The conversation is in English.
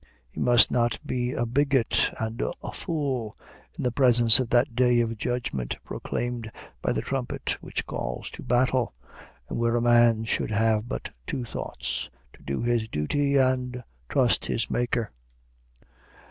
He must not be a bigot and a fool in the presence of that day of judgment proclaimed by the trumpet which calls to battle, and where a man should have but two thoughts: to do his duty, and trust his Maker.